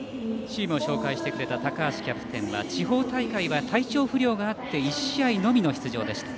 チームを紹介してくれた高橋キャプテンは地方大会は体調不良があって１試合のみの出場でした。